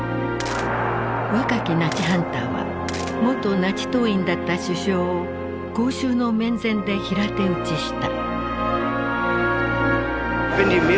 若きナチハンターは元ナチ党員だった首相を公衆の面前で平手打ちした。